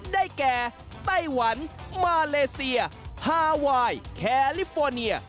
ได้แก่ไต้หวันมาเลเซียฮาไวน์แคลิฟอร์เนีย